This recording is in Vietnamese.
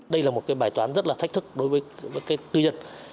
đây là một bài toán rất thách thức đối với tư nhật